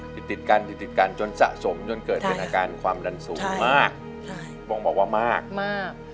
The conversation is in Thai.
ติดติดกันติดติดกันจนสะสมจนเกิดเป็นอาการความดันสูงมากบ่งบอกว่ามากมาก